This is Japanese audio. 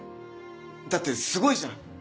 だってすごいじゃん。